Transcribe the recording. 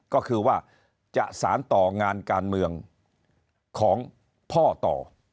ก็คือว่าจะสารต่องานการเมืองของพ่อต่อ